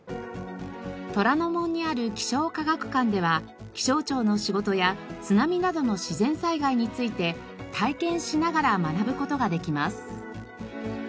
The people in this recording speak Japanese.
虎ノ門にある気象科学館では気象庁の仕事や津波などの自然災害について体験しながら学ぶ事ができます。